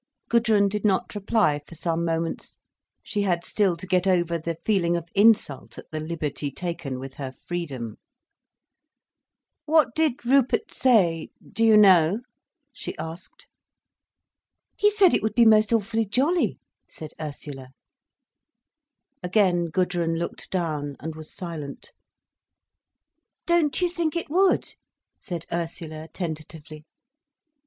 Gudrun did not reply for some moments. She had still to get over the feeling of insult at the liberty taken with her freedom. "What did Rupert say—do you know?" she asked. "He said it would be most awfully jolly," said Ursula. Again Gudrun looked down, and was silent. "Don't you think it would?" said Ursula, tentatively.